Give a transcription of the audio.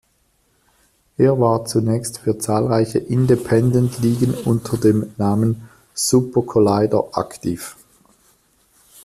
Er war zunächst für zahlreiche Independent-Ligen unter dem Namen Super Collider aktiv.